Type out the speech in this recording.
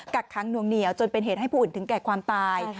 กักค้างหน่วงเหนียวจนเป็นเหตุให้ผู้อื่นถึงแก่ความตาย